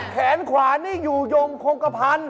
แขนขวานี่อยู่ยงคงกภัณฑ์